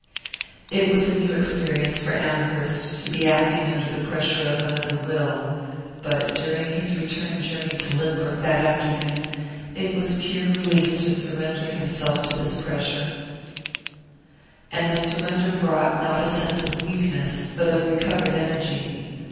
It was a new experience for Amherst to be acting under the pressure of another will; but during his return journey to Lynbrook that afternoon it was pure relief to surrender himself to this pressure, and the surrender brought not a sense of weakness but of recovered energy.